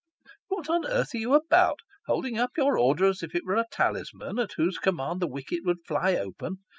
What on earth are you about ? Holding up your order as if it were a talisman at whose command the wicket would fly open